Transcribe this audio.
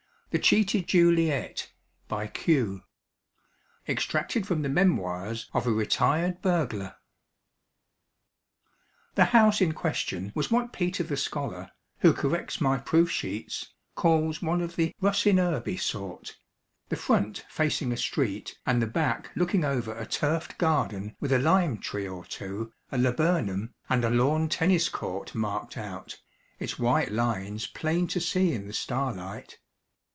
THE CHEATED JULIET. BY Q. Extracted from the Memoirs of a Retired Burglar. The house in question was what Peter the Scholar (who corrects my proof sheets) calls one of the rusinurby sort the front facing a street and the back looking over a turfed garden with a lime tree or two, a laburnum, and a lawn tennis court marked out, its white lines plain to see in the starlight.